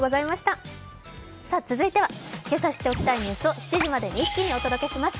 続いてはけさ知っておきたいニュースを７時までに一気にお届けします。